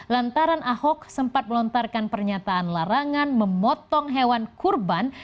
lantaran ahok sempat melontarkan pernyataan larangan memotong hewan kurban